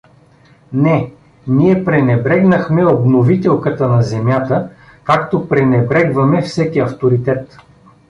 Не, ние пренебрегнахме обновителката на земята, както пренебрегваме всеки авторитет.